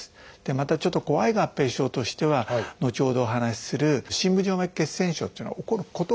またちょっと怖い合併症としては後ほどお話しする「深部静脈血栓症」というのが起こることがあるんですね。